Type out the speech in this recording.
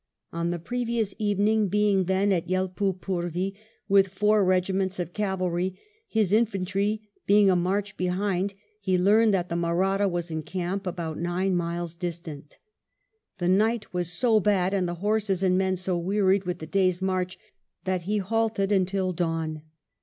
On the previous evening, being then at Yelpulpurvy with four regiments of cavalry, his infantry being a march behind, he learned that the Mahratta was in camp about nine miles distant. The night was so bad, and the horses and men so wearied with the day's march, that he halted until dawn.